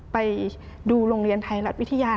ไปดูโรงเรียนไทยรัฐวิทยา